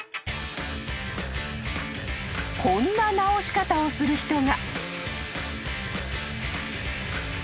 ［こんな直し方をする人が］